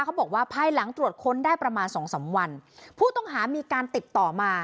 เขาบอกว่าภายหลังตรวจค้นได้ประมาณสองสามวันผู้ต้องหามีการติดต่อมา